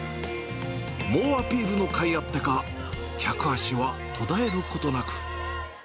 猛アピールのかいあってか、客足は途絶えることなく。